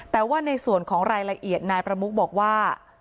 แต่ว่าในส่วนของรายละเอียดนายประมุกบอกว่า